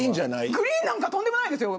グリーンなんかとんでもないです。